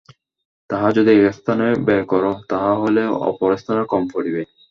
তাহা যদি এক স্থানে ব্যয় কর, তাহা হইলে অপর স্থানে কম পড়িবে।